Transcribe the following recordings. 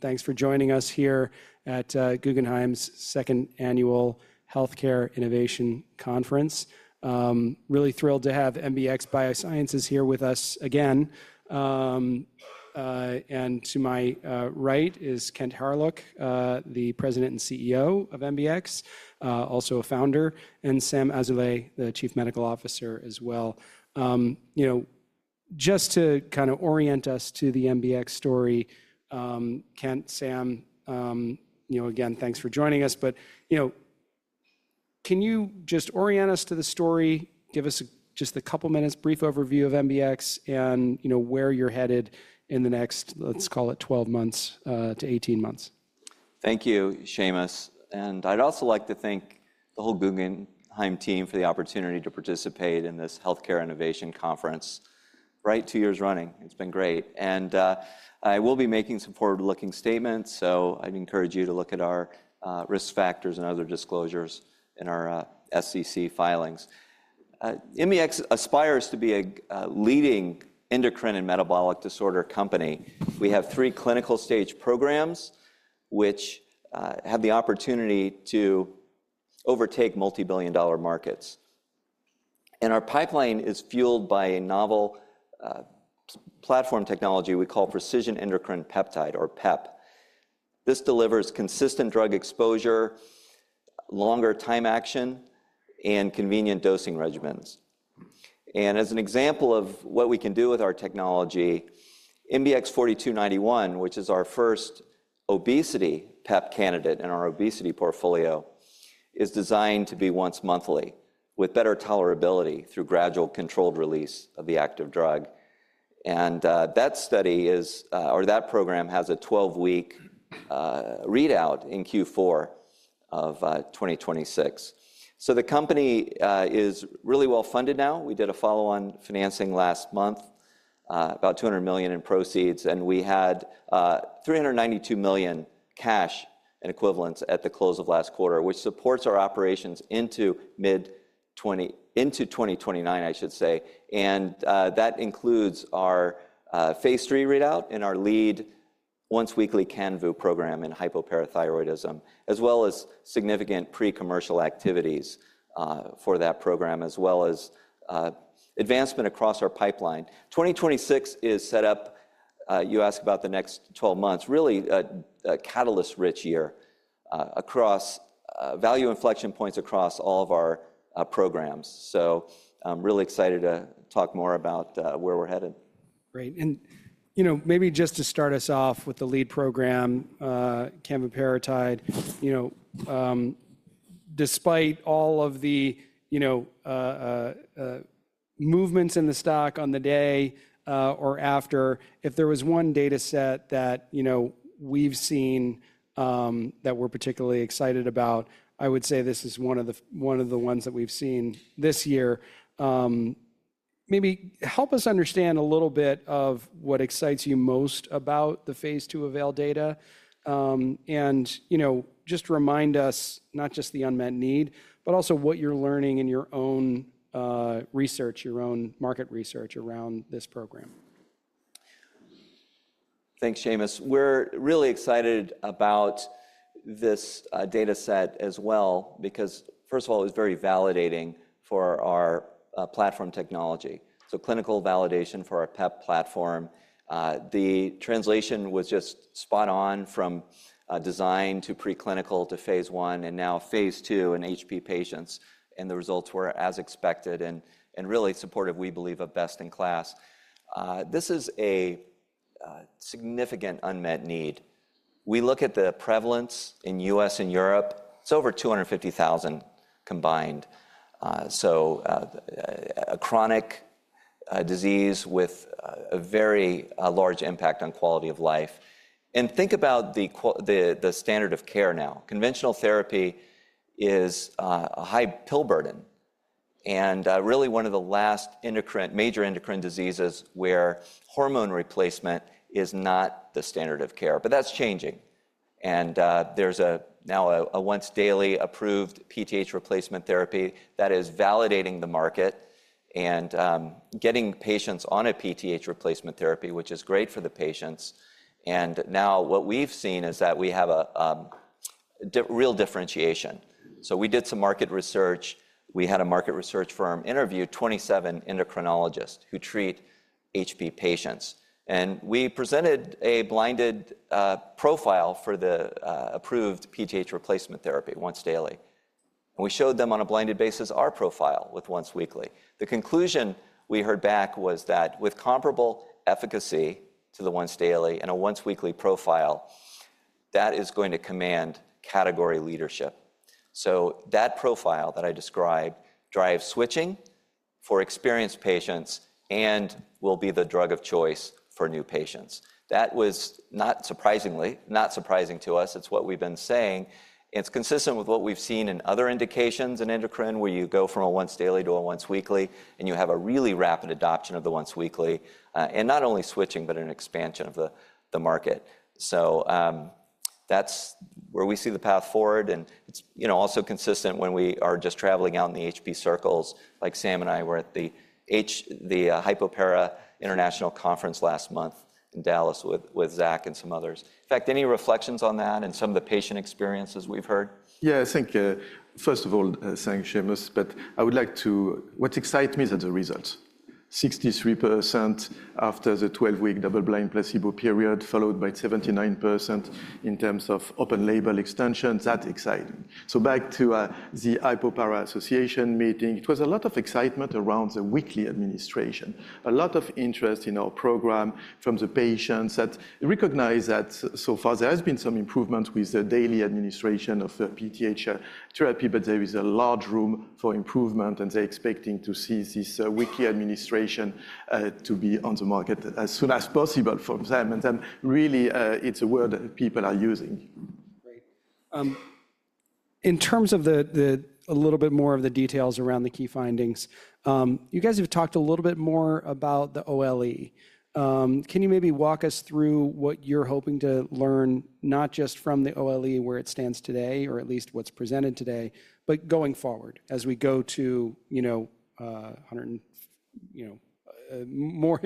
Thanks for joining us here at Guggenheim's second annual Healthcare Innovation Conference. Really thrilled to have MBX Biosciences here with us again. To my right is Kent Hawryluk, the President and CEO of MBX, also a founder, and Sam Azoulay, the Chief Medical Officer as well. Just to kind of orient us to the MBX story, Kent, Sam, again, thanks for joining us. Can you just orient us to the story, give us just a couple of minutes, brief overview of MBX, and where you're headed in the next, let's call it, 12 months-18 months? Thank you, Seamus. I would also like to thank the whole Guggenheim team for the opportunity to participate in this Healthcare Innovation Conference, right, two years running. It has been great. I will be making some forward-looking statements, so I would encourage you to look at our risk factors and other disclosures in our SEC filings. MBX aspires to be a leading endocrine and metabolic disorder company. We have three clinical stage programs which have the opportunity to overtake multi-billion dollar markets. Our pipeline is fueled by a novel platform technology we call precision endocrine peptide, or PEP. This delivers consistent drug exposure, longer time action, and convenient dosing regimens. As an example of what we can do with our technology, MBX 4291, which is our first obesity PEP candidate in our obesity portfolio, is designed to be once monthly with better tolerability through gradual controlled release of the active drug. That study is, or that program has a 12-week readout in Q4 of 2026. The company is really well funded now. We did a follow-on financing last month, about $200 million in proceeds, and we had $392 million cash in equivalents at the close of last quarter, which supports our operations into 2029, I should say. That includes our phase III readout and our lead once-weekly Canvu program in hypoparathyroidism, as well as significant pre-commercial activities for that program, as well as advancement across our pipeline. 2026 is set up, you ask about the next 12 months, really a catalyst-rich year across value inflection points across all of our programs. I am really excited to talk more about where we're headed. Great. Maybe just to start us off with the lead program, Canvuparatide, despite all of the movements in the stock on the day or after, if there was one data set that we have seen that we are particularly excited about, I would say this is one of the ones that we have seen this year. Maybe help us understand a little bit of what excites you most about the phase II avail data, and just remind us not just the unmet need, but also what you are learning in your own research, your own market research around this program. Thanks, Seamus. We're really excited about this data set as well because, first of all, it was very validating for our platform technology. So clinical validation for our PEP platform. The translation was just spot on from design to preclinical to phase I and now phase II in HP patients. And the results were as expected and really supportive, we believe, of best in class. This is a significant unmet need. We look at the prevalence in the U.S. and Europe. It's over 250,000 combined. So a chronic disease with a very large impact on quality of life. And think about the standard of care now. Conventional therapy is a high pill burden and really one of the last major endocrine diseases where hormone replacement is not the standard of care. But that's changing. There is now a once-daily approved PTH replacement therapy that is validating the market and getting patients on a PTH replacement therapy, which is great for the patients. What we have seen is that we have a real differentiation. We did some market research. We had a market research firm interview 27 endocrinologists who treat HP patients. We presented a blinded profile for the approved PTH replacement therapy, once daily. We showed them on a blinded basis our profile with once weekly. The conclusion we heard back was that with comparable efficacy to the once daily and a once weekly profile, that is going to command category leadership. That profile that I described drives switching for experienced patients and will be the drug of choice for new patients. That was not surprising to us. It is what we have been saying. It's consistent with what we've seen in other indications in endocrine where you go from a once daily to a once weekly and you have a really rapid adoption of the once weekly and not only switching, but an expansion of the market. That is where we see the path forward. It's also consistent when we are just traveling out in the HP circles. Like Sam and I were at the Hypopara International Conference last month in Dallas with Zach and some others. In fact, any reflections on that and some of the patient experiences we've heard? Yeah, I think, first of all, thank you, Seamus. What excites me is the results. 63% after the 12-week double-blind placebo period, followed by 79% in terms of open label extension. That is exciting. Back to the Hypopara Association meeting, it was a lot of excitement around the weekly administration. A lot of interest in our program from the patients that recognize that so far there has been some improvement with the daily administration of the PTH therapy, but there is a large room for improvement and they are expecting to see this weekly administration to be on the market as soon as possible for them. It is a word that people are using. Great. In terms of a little bit more of the details around the key findings, you guys have talked a little bit more about the OLE. Can you maybe walk us through what you're hoping to learn, not just from the OLE where it stands today, or at least what's presented today, but going forward as we go to more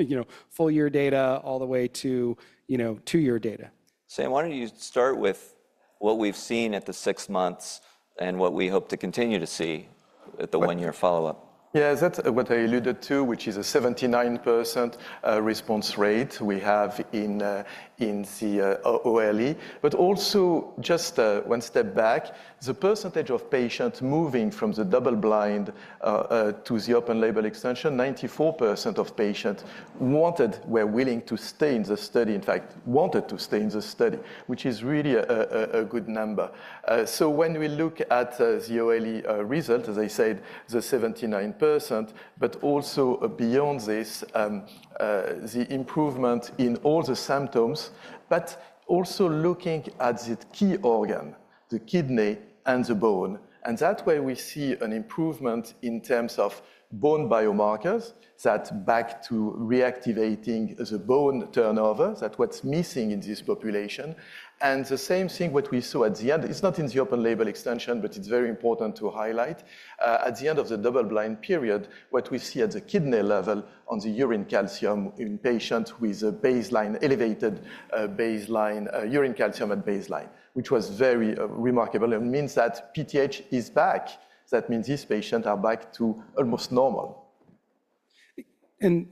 full-year data all the way to two-year data? Sam, why don't you start with what we've seen at the six months and what we hope to continue to see at the one-year follow-up? Yeah, that's what I alluded to, which is a 79% response rate we have in the OLE. Also, just one step back, the percentage of patients moving from the double-blind to the open label extension, 94% of patients wanted, were willing to stay in the study. In fact, wanted to stay in the study, which is really a good number. When we look at the OLE result, as I said, the 79%, but also beyond this, the improvement in all the symptoms, but also looking at the key organ, the kidney and the bone. In that way we see an improvement in terms of bone biomarkers that back to reactivating the bone turnover, that's what's missing in this population. The same thing what we saw at the end, it's not in the open label extension, but it's very important to highlight. At the end of the double-blind period, what we see at the kidney level on the urine calcium in patients with a baseline, elevated baseline urine calcium at baseline, which was very remarkable. It means that PTH is back. That means these patients are back to almost normal.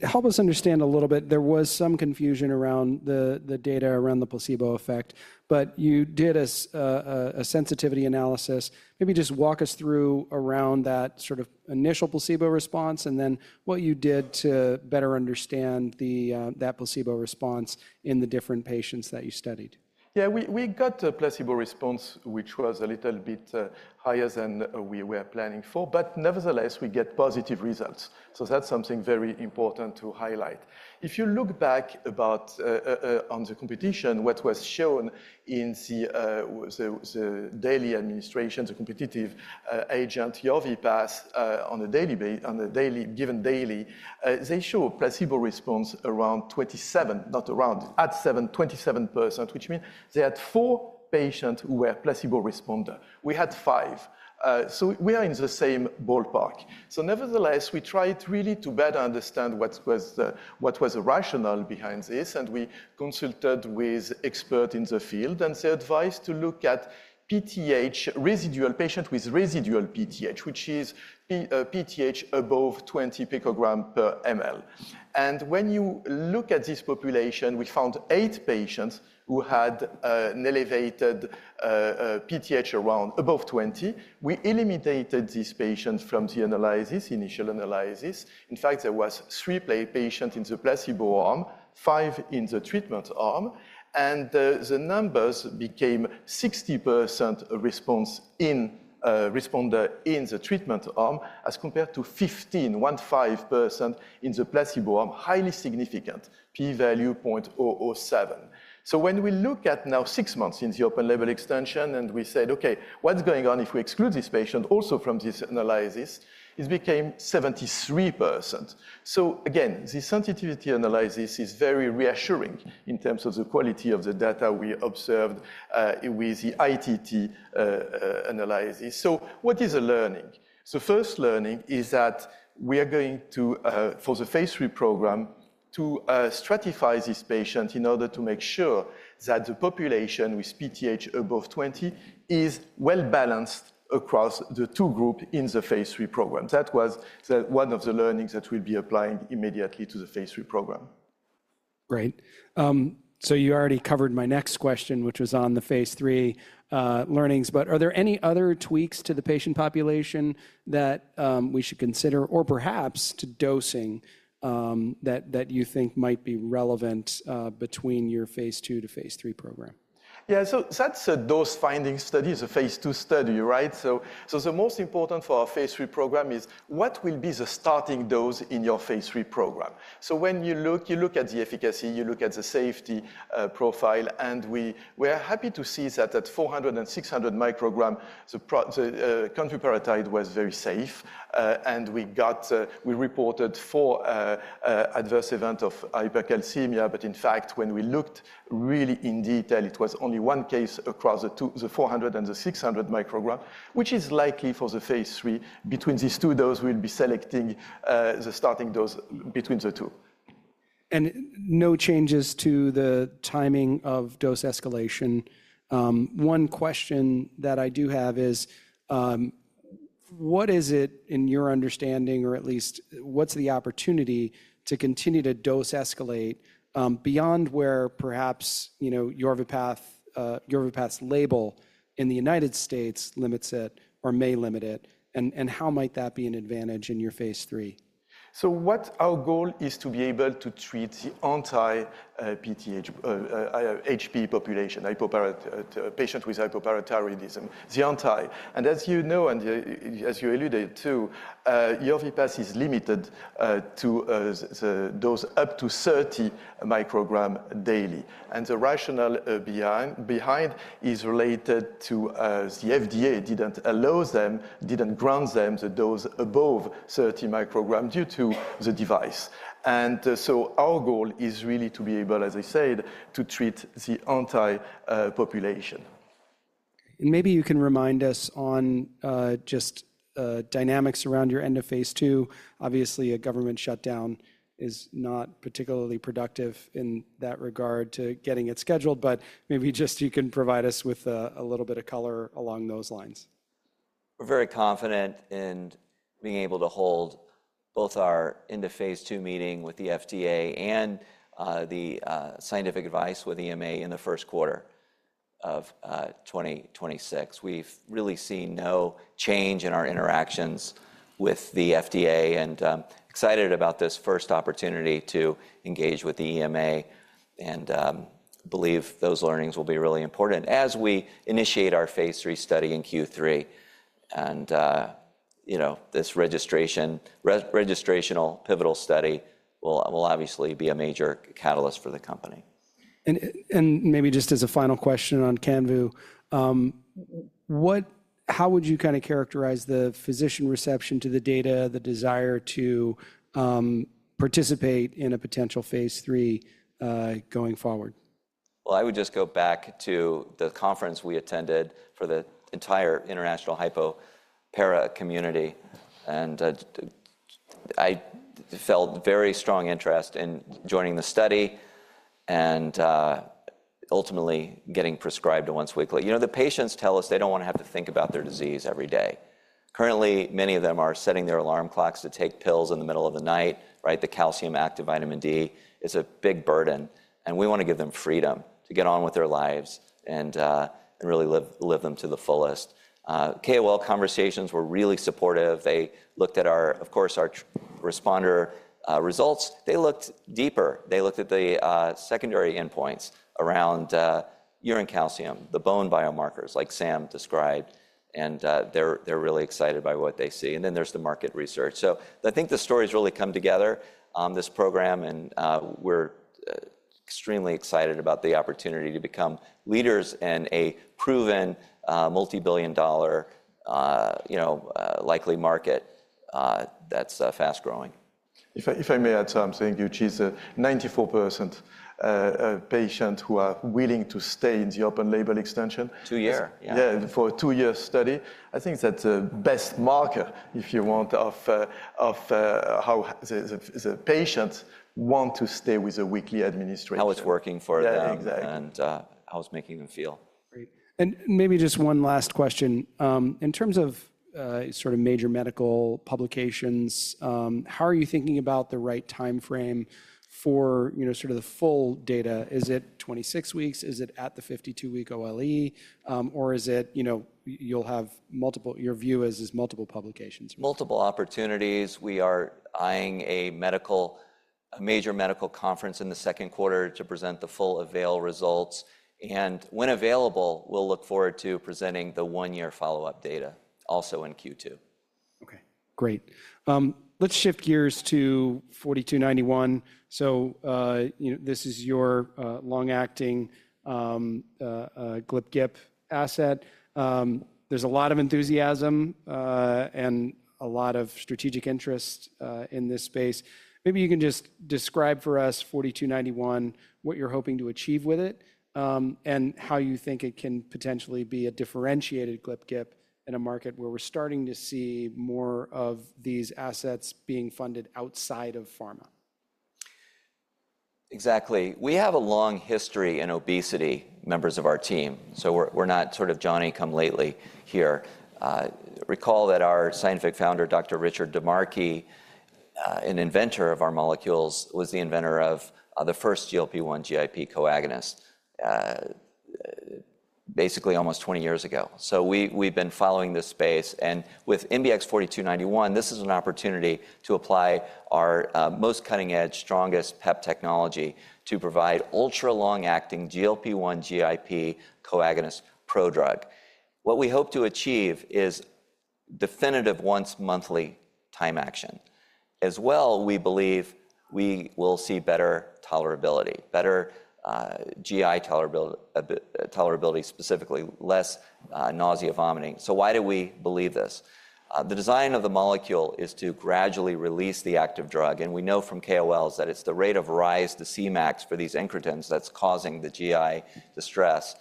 Help us understand a little bit. There was some confusion around the data around the placebo effect, but you did a sensitivity analysis. Maybe just walk us through around that sort of initial placebo response and then what you did to better understand that placebo response in the different patients that you studied. Yeah, we got a placebo response which was a little bit higher than we were planning for, but nevertheless, we get positive results. That is something very important to highlight. If you look back on the competition, what was shown in the daily administration, the competitive agent Natpara given daily, they show placebo response around 27, not around, at 27%, which means they had four patients who were placebo responders. We had five. We are in the same ballpark. Nevertheless, we tried really to better understand what was the rationale behind this. We consulted with experts in the field and they advised to look at PTH residual patients with residual PTH, which is PTH above 20 pg/mL. When you look at this population, we found eight patients who had an elevated PTH above 20. We eliminated these patients from the analysis, initial analysis. In fact, there were three patients in the placebo arm, five in the treatment arm. The numbers became 60% responder in the treatment arm as compared to 15%, 15% in the placebo arm, highly significant, p-value 0.007. When we look at now six months in the open label extension and we said, okay, what's going on if we exclude these patients also from this analysis, it became 73%. Again, the sensitivity analysis is very reassuring in terms of the quality of the data we observed with the ITT analysis. What is the learning? The first learning is that we are going to, for the phase III program, to stratify these patients in order to make sure that the population with PTH above 20 is well balanced across the two groups in the phase III program. That was one of the learnings that we'll be applying immediately to the phase III program. Great. You already covered my next question, which was on the phase III learnings, but are there any other tweaks to the patient population that we should consider or perhaps to dosing that you think might be relevant between your phase II to phase III program? Yeah, so that's a dose finding study, a phase II study, right? The most important for our phase III program is what will be the starting dose in your phase III program. When you look, you look at the efficacy, you look at the safety profile, and we are happy to see that at 400 and 600 micrograms, the Canvuparatide was very safe. We reported four adverse events of hypercalcemia, but in fact, when we looked really in detail, it was only one case across the 400 and the 600 micrograms, which is likely for the phase III. Between these two doses, we'll be selecting the starting dose between the two. No changes to the timing of dose escalation. One question that I do have is, what is it in your understanding, or at least what's the opportunity to continue to dose escalate beyond where perhaps Natpara label in the United States limits it or may limit it? How might that be an advantage in your phase III? What our goal is to be able to treat the anti-PTH HP population, patients with hypoparathyroidism, the anti. As you know, and as you alluded to, Natpara is limited to dose up to 30 micrograms daily. The rationale behind is related to the FDA did not allow them, did not grant them the dose above 30 micrograms due to the device. Our goal is really to be able, as I said, to treat the anti-population. Maybe you can remind us on just dynamics around your end of phase II. Obviously, a government shutdown is not particularly productive in that regard to getting it scheduled, but maybe just you can provide us with a little bit of color along those lines. We're very confident in being able to hold both our end of phase II meeting with the FDA and the scientific advice with EMA in the first quarter of 2026. We've really seen no change in our interactions with the FDA and excited about this first opportunity to engage with the EMA and believe those learnings will be really important as we initiate our phase III study in Q3. This registrational pivotal study will obviously be a major catalyst for the company. Maybe just as a final question on Canvu, how would you kind of characterize the physician reception to the data, the desire to participate in a potential phase III going forward? I would just go back to the conference we attended for the entire international Hypopara community. I felt very strong interest in joining the study and ultimately getting prescribed once weekly. You know, the patients tell us they do not want to have to think about their disease every day. Currently, many of them are setting their alarm clocks to take pills in the middle of the night, right? The calcium active vitamin D is a big burden. We want to give them freedom to get on with their lives and really live them to the fullest. KOL conversations were really supportive. They looked at our, of course, our responder results. They looked deeper. They looked at the secondary endpoints around urine calcium, the bone biomarkers like Sam described. They are really excited by what they see. There is the market research. I think the stories really come together on this program. We're extremely excited about the opportunity to become leaders in a proven multi-billion dollar likely market that's fast growing. If I may add, Sam, thank you. It is 94% patients who are willing to stay in the open label extension. Two years. Yeah, for a two-year study. I think that's the best marker if you want of how the patients want to stay with the weekly administration. How it's working for them. Yeah, exactly. How it's making them feel. Great. Maybe just one last question. In terms of sort of major medical publications, how are you thinking about the right timeframe for sort of the full data? Is it 26 weeks? Is it at the 52-week OLE? Or is it you'll have multiple, your view is multiple publications? Multiple opportunities. We are eyeing a major medical conference in the second quarter to present the full avail results. When available, we'll look forward to presenting the one-year follow-up data also in Q2. Okay, great. Let's shift gears to 4291. So this is your long-acting GLP/GIP asset. There's a lot of enthusiasm and a lot of strategic interest in this space. Maybe you can just describe for us 4291, what you're hoping to achieve with it and how you think it can potentially be a differentiated GLP/GIP in a market where we're starting to see more of these assets being funded outside of pharma. Exactly. We have a long history in obesity, members of our team. So we're not sort of Johnny come lately here. Recall that our scientific founder, Dr. Richard DiMarchi, an inventor of our molecules, was the inventor of the first GLP/GIP co-agonist basically almost 20 years ago. So we've been following this space. And with MBX 4291, this is an opportunity to apply our most cutting-edge, strongest PEP technology to provide ultra-long-acting GLP/GIP co-agonist prodrug. What we hope to achieve is definitive once monthly time action. As well, we believe we will see better tolerability, better GI tolerability, specifically less nausea and vomiting. So why do we believe this? The design of the molecule is to gradually release the active drug. And we know from KOLs that it's the rate of rise, the C max for these incretins that's causing the GI distress.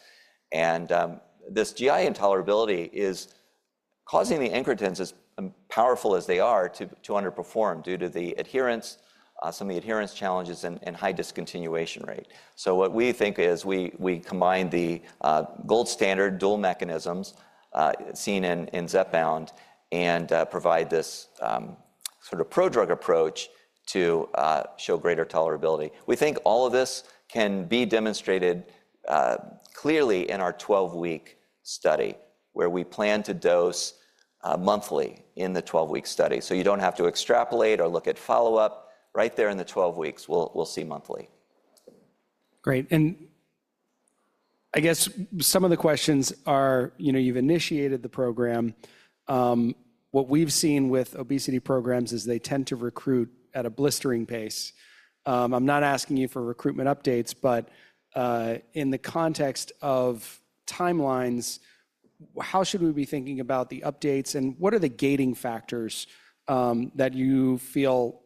This GI intolerability is causing the incretins, as powerful as they are, to underperform due to the adherence, some of the adherence challenges and high discontinuation rate. What we think is we combine the gold standard dual mechanisms seen in Zepbound and provide this sort of prodrug approach to show greater tolerability. We think all of this can be demonstrated clearly in our 12-week study where we plan to dose monthly in the 12-week study. You do not have to extrapolate or look at follow-up. Right there in the 12 weeks, we will see monthly. Great. I guess some of the questions are, you've initiated the program. What we've seen with obesity programs is they tend to recruit at a blistering pace. I'm not asking you for recruitment updates, but in the context of timelines, how should we be thinking about the updates and what are the gating factors that you feel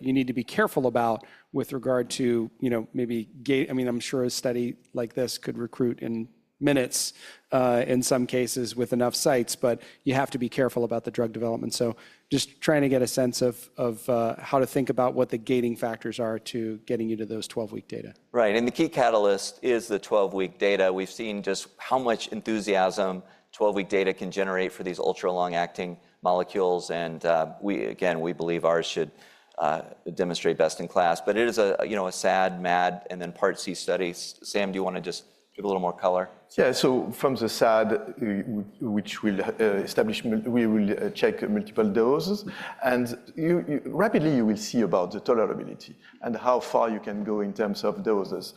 you need to be careful about with regard to maybe gate, I mean, I'm sure a study like this could recruit in minutes in some cases with enough sites, but you have to be careful about the drug development. Just trying to get a sense of how to think about what the gating factors are to getting you to those 12-week data. Right. The key catalyst is the 12-week data. We've seen just how much enthusiasm 12-week data can generate for these ultra-long-acting molecules. Again, we believe ours should demonstrate best in class. It is a SAD, MAD, and then part C study. Sam, do you want to just give a little more color? Yeah. So from the SAD, which we will establish, we will check multiple doses. And rapidly, you will see about the tolerability and how far you can go in terms of doses.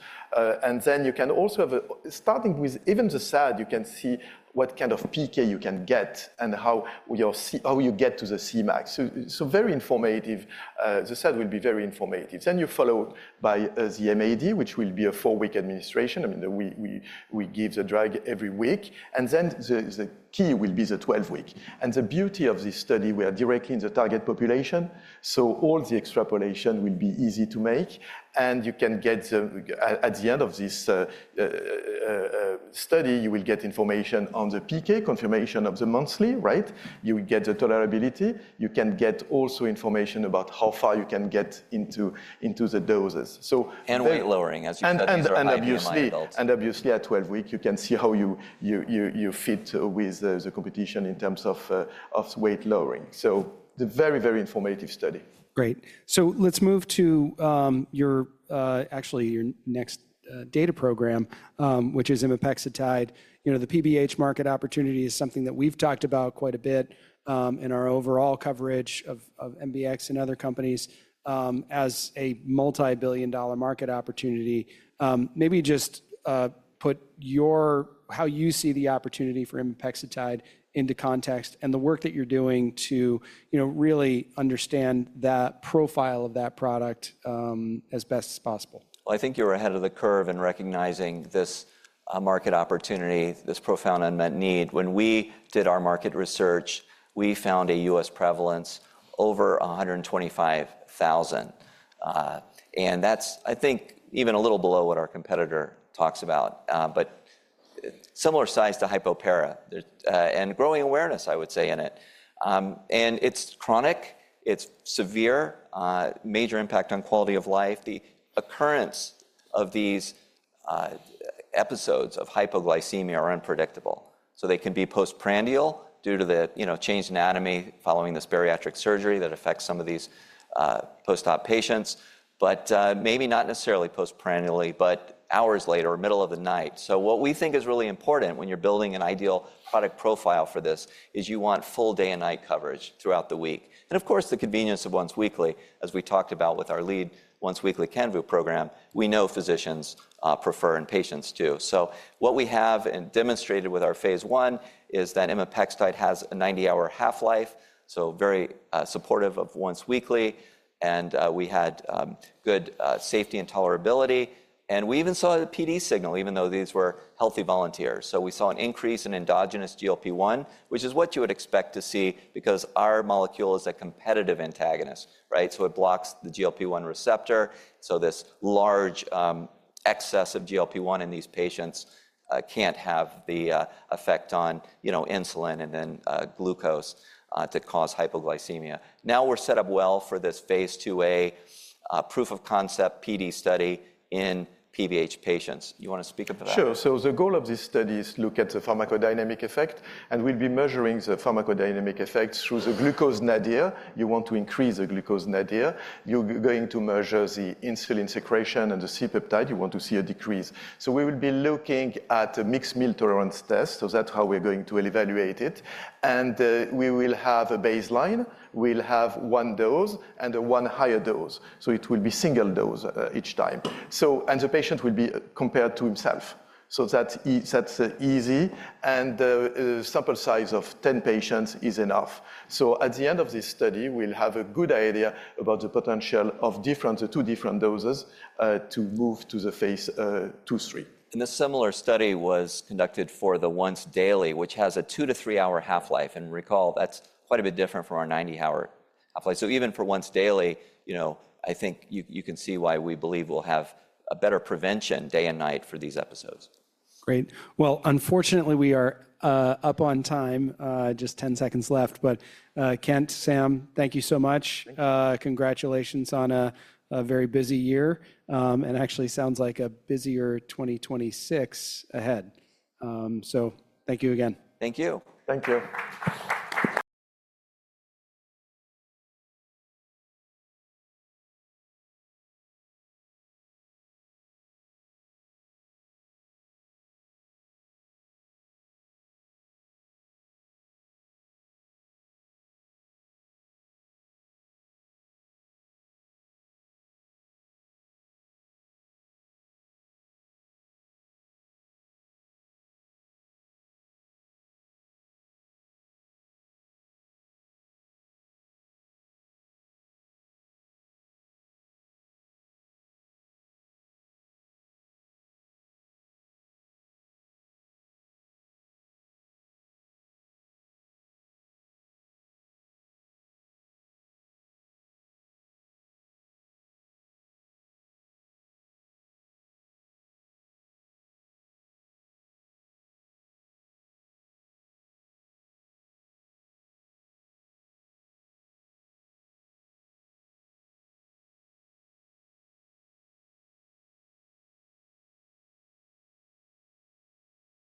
And then you can also, starting with even the SAD, you can see what kind of PK you can get and how you get to the C max. So very informative. The SAD will be very informative. Then you follow by the MAD, which will be a four-week administration. I mean, we give the drug every week. And then the key will be the 12-week. The beauty of this study, we are directly in the target population. So all the extrapolation will be easy to make. And you can get at the end of this study, you will get information on the PK confirmation of the monthly, right? You will get the tolerability. You can also get information about how far you can get into the doses. Weight lowering, as you said. Obviously, at 12-week, you can see how you fit with the competition in terms of weight lowering. It is a very, very informative study. Great. Let's move to your, actually your next data program, which is Imipexatide. The PBH market opportunity is something that we've talked about quite a bit in our overall coverage of MBX and other companies as a multi-billion dollar market opportunity. Maybe just put your, how you see the opportunity for Imipexatide into context and the work that you're doing to really understand that profile of that product as best as possible. I think you're ahead of the curve in recognizing this market opportunity, this profound unmet need. When we did our market research, we found a U.S. prevalence over 125,000. That's, I think, even a little below what our competitor talks about, but similar size to Hypopara and growing awareness, I would say, in it. It's chronic. It's severe, major impact on quality of life. The occurrence of these episodes of hypoglycemia are unpredictable. They can be postprandial due to the changed anatomy following this bariatric surgery that affects some of these post-op patients, but maybe not necessarily postprandially, but hours later or middle of the night. What we think is really important when you're building an ideal product profile for this is you want full day and night coverage throughout the week. Of course, the convenience of once weekly, as we talked about with our lead once weekly Canvu program, we know physicians prefer and patients do. What we have demonstrated with our phase I is that Imipexatide has a 90-hour half-life, so very supportive of once weekly. We had good safety and tolerability. We even saw the PD signal, even though these were healthy volunteers. We saw an increase in endogenous GLP-1, which is what you would expect to see because our molecule is a competitive antagonist, right? It blocks the GLP-1 receptor. This large excess of GLP-1 in these patients cannot have the effect on insulin and then glucose to cause hypoglycemia. Now we are set up well for this phase II-A proof of concept PD study in PBH patients. You want to speak about that? Sure. The goal of this study is to look at the pharmacodynamic effect. We'll be measuring the pharmacodynamic effects through the glucose nadir. You want to increase the glucose nadir. You're going to measure the insulin secretion and the C peptide. You want to see a decrease. We will be looking at a mixed meal tolerance test. That's how we're going to evaluate it. We will have a baseline. We'll have one dose and one higher dose. It will be single dose each time. The patient will be compared to himself. That's easy. A sample size of 10 patients is enough. At the end of this study, we'll have a good idea about the potential of two different doses to move to the phase II, phase III. A similar study was conducted for the once daily, which has a two to three-hour half-life. Recall, that's quite a bit different from our 90-hour half-life. Even for once daily, I think you can see why we believe we'll have a better prevention day and night for these episodes. Great. Unfortunately, we are up on time. Just 10 seconds left. Kent, Sam, thank you so much. Congratulations on a very busy year. Actually sounds like a busier 2026 ahead. Thank you again. Thank you. Thank you.